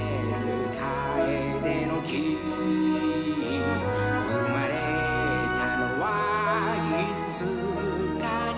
カエデの木」「うまれたのはいつかな？